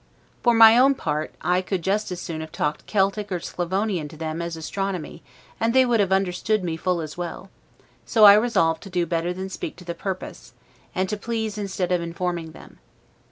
For my own part, I could just as soon have talked Celtic or Sclavonian to them as astronomy, and they would have understood me full as well: so I resolved to do better than speak to the purpose, and to please instead of informing them.